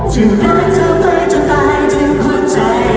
จะรักเธอไปจะตายถึงหัวใจ